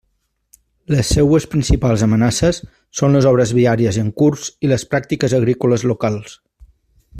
Les seues principals amenaces són les obres viàries en curs i les pràctiques agrícoles locals.